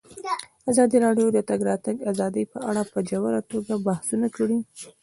ازادي راډیو د د تګ راتګ ازادي په اړه په ژوره توګه بحثونه کړي.